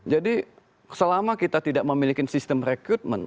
jadi selama kita tidak memiliki sistem rekrutmen